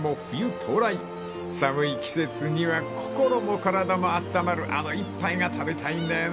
［寒い季節には心も体もあったまるあの一杯が食べたいんだよな］